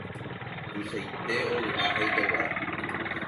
Tuichaite ovy'a ha ijaguara.